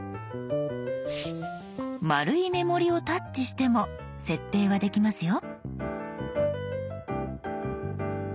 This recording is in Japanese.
丸い目盛りをタッチしても設定はできますよ。